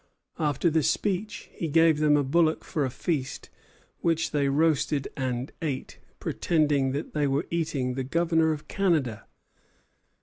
After the speech he gave them a bullock for a feast, which they roasted and ate, pretending that they were eating the Governor of Canada!